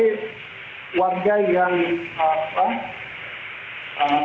beberapa waktu lalu kan beredar di media sosial itu banyak sekali warga yang